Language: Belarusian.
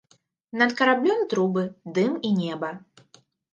Над караблём трубы, дым і неба.